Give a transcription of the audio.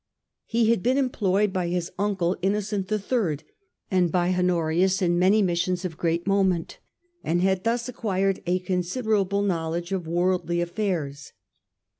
He had been employed by his uncle, Innocent III, and by Honorius, in many missions of great moment, and had thus acquired a considerable knowledge of worldly affairs.